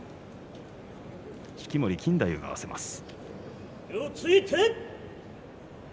式守錦太夫が合わせます。